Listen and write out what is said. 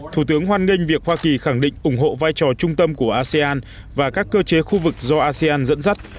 thủ tướng hoan nghênh việc hoa kỳ khẳng định ủng hộ vai trò trung tâm của asean và các cơ chế khu vực do asean dẫn dắt